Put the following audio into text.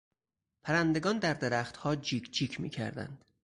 پرندگان در درختها جیک جیک میکردند.